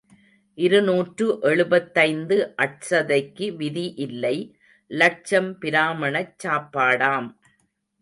இருநூற்று எழுபத்தைந்து அட்சதைக்கு விதி இல்லை லட்சம் பிராமணச் சாப்பாடாம்.